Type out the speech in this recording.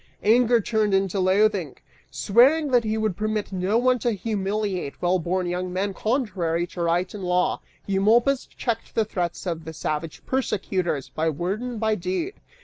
Anger turned into loathing. Swearing that he would permit no one to humiliate well born young men contrary to right and law, Eumolpus checked the threats of the savage persecutors by word and by deed.